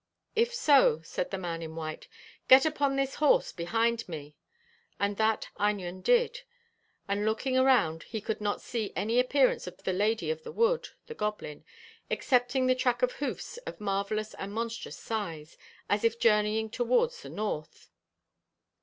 "If so," said the man in white, "get upon this horse, behind me;" and that Einion did, and looking around he could not see any appearance of the Lady of the Wood, the goblin, excepting the track of hoofs of marvellous and monstrous size, as if journeying towards the north.